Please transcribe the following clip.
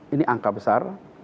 ini angka besar